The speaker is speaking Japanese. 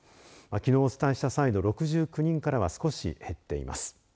きのうお伝えした際の６９人からは少し減っています。